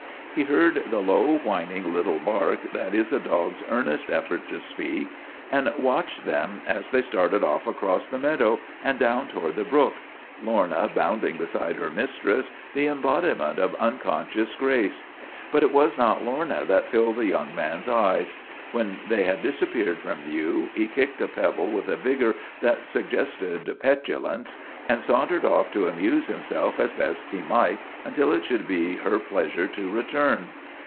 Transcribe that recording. He heard the low, whining little bark that is a dog's earnest effort to speak, and watched them as they started off across the meadow and down toward the brook, Lorna bounding beside her mis tress, the embodiment of unconscious grace. But it was not Lorna that filled the young man's eyes. When they had disappeared from view he kicked a pebble with a vigor that suggested petulance, and sauntered off to amuse himself as best he might until it should be her pleasure to return.